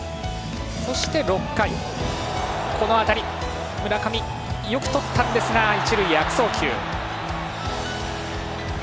そして６回、この当たりを村上、よくとったんですが一塁へ悪送球。